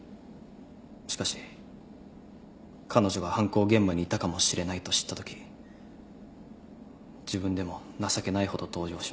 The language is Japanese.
しかし彼女が犯行現場にいたかもしれないと知ったとき自分でも情けないほど動揺しました。